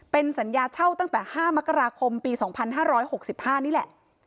เป็นสัญญาเช่าตั้งแต่๕มกราคมปี๒๕๖๕นี่แหละ